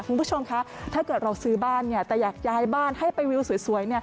คุณผู้ชมคะถ้าเกิดเราซื้อบ้านแต่อยากย้ายบ้านให้ไปวิวสวย